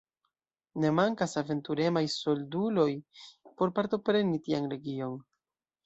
Ne mankas aventuremaj solduloj por partopreni tian legion.